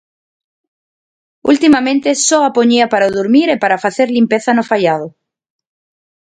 Ultimamente só a poñía para durmir e para facer limpeza no faiado.